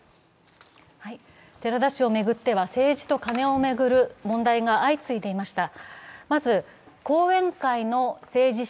寺田氏を巡っては政治とカネを巡る問題が相次いでいました。